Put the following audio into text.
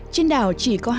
trên đảo chỉ có